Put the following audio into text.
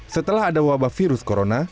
setelah ada wabah virus corona